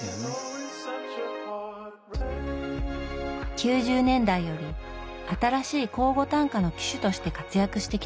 ９０年代より新しい口語短歌の旗手として活躍してきた穂村さん。